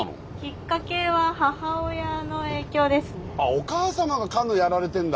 お母様がカヌーやられてるんだ。